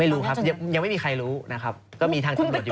รู้ครับยังไม่มีใครรู้นะครับก็มีทางตำรวจอยู่